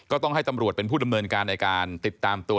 ต้องให้ตำรวจเป็นผู้ดำเนินการในการติดตามตัว